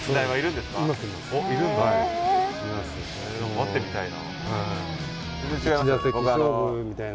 会ってみたいな。